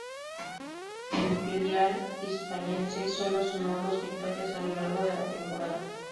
El filial hispalense sólo sumó dos victorias a lo largo de la temporada.